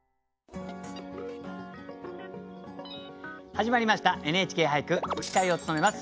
始まりました「ＮＨＫ俳句」司会を務めます